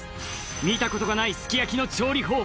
見たことがないすき焼きの調理法